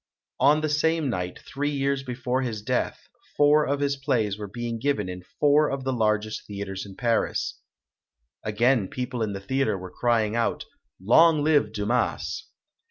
On the same night, three years before his death, four of his plays were being given in four of the largest theatres in Paris. Again people in the theatres were crying out, "Long live Dumas!"